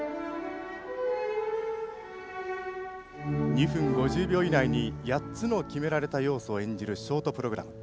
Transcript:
２分５０秒以内に８つの決められた要素を演じるショートプログラム。